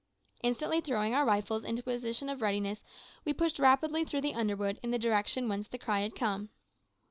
Instantly throwing our rifles into a position of readiness we pushed rapidly through the underwood in the direction whence the cry had come.